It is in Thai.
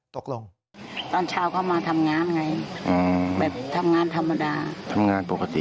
ตกลง